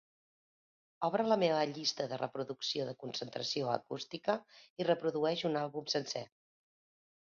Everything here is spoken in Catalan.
Obre la meva llista de reproducció de concentració acústica i reprodueix un àlbum sencer